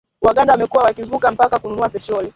Waganda wamekuwa wakivuka mpaka kununua petroli